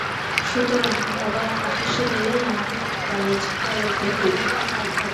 সুতরাং, বাবা আপিসে গেলেই আমাকে কালেজ পালাইতে হইত।